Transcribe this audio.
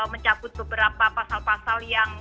mencabut beberapa pasal pasal yang